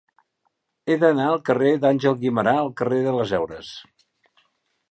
He d'anar del carrer d'Àngel Guimerà al carrer de les Heures.